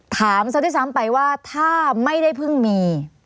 ถามซะด้วยซ้ำไปว่าถ้าไม่ได้เพิ่งมี